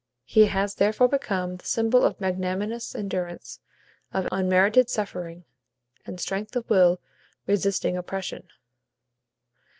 He has therefore become the symbol of magnanimous endurance of unmerited suffering, and strength of will resisting oppression.